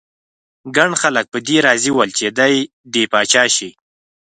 ګڼ خلک په دې راضي ول چې دی دې پاچا شي.